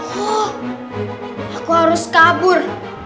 oh aku harus kabur